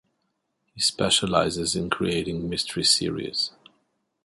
He specializes in creating mystery series.